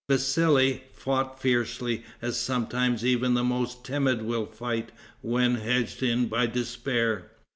Vassali fought fiercely, as sometimes even the most timid will fight when hedged in by despair.